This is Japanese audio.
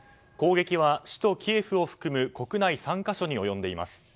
攻撃は首都キエフを含む国内３か所に及んでいます。